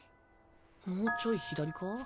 もうちょい左か？